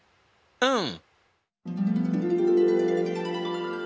うん！